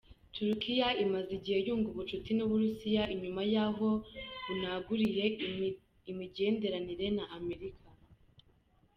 Turukiya imaze igihe yunga ubucuti n'Uburusiya inyuma yaho bunaguriye imigenderanire na Amerika.